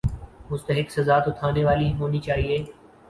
مستحق سزا تو تھانے والی ہونی چاہیے۔